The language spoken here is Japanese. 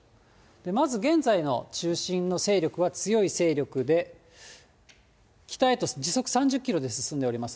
まず現在の中心の勢力は強い勢力で、北へと時速３０キロで進んでおります。